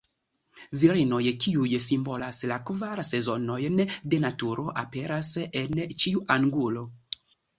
Virinoj kiuj simbolas la kvar sezonojn de naturo aperas en ĉiu angulo.